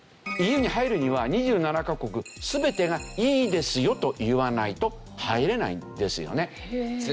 ＥＵに入るには２７カ国全てが「いいですよ」と言わないと入れないんですよね。